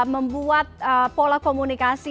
membuat pola komunikasi